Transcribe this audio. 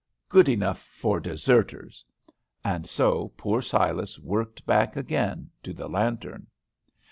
Good enough for deserters!" And so poor Silas worked back again to the lantern.